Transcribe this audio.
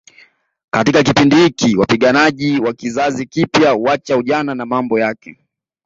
Katika kipindi hiki wapiganaji wa kizazi kipya huuacha ujana na mambo yake